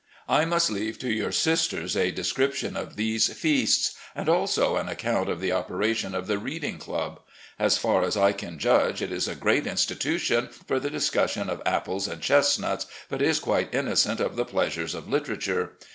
... I must leave to your sisters a description of these feasts, and also an accotmt of the operation of the Reading Club. As far as I can judge, it is a great institution for the discussion of apples and chestnuts, but is quite innocent of the pleasures of literature.